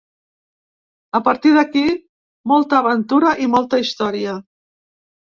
A partir d’aquí molta aventura i molta història.